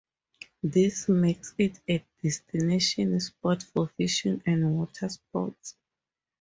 This makes it a destination spot for fishing and water sports.